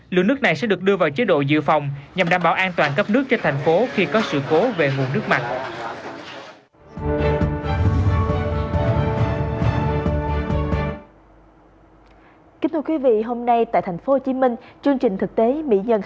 lượng nước này sẽ được đưa vào chế độ dự phòng nhằm đảm bảo an toàn cấp nước cho thành phố khi có sự cố về nguồn nước mặt